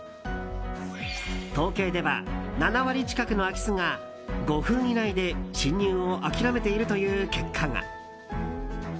統計では、７割近くの空き巣が５分以内で侵入を諦めているという結果が。